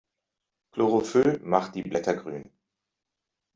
Chlorophyll macht die Blätter grün.